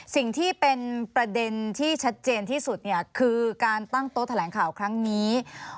สิ่งที่เป็นประเด็นที่ชัดเจนที่สุดเนี่ยคือการตั้งโต๊ะแถลงข่าวครั้งนี้